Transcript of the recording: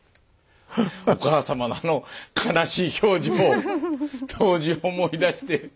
お母さまのあの悲しい表情当時を思い出して。